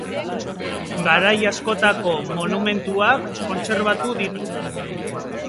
Garai askotako monumentuak kontserbatu ditu.